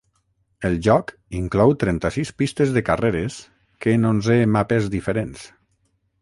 El joc inclou trenta-sis pistes de carreres, que en onze mapes diferents.